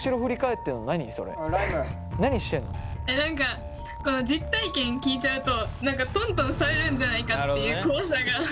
えっ何か実体験聞いちゃうとトントンされるんじゃないかっていう怖さが。